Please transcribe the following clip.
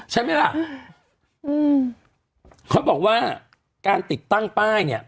ใช่ไหมล่ะอืมเขาบอกว่าการติดตั้งป้ายเนี่ย